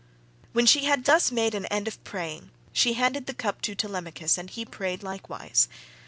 When she had thus made an end of praying, she handed the cup to Telemachus and he prayed likewise.